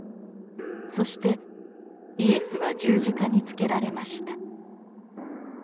そしてイエスは十字架につけられました。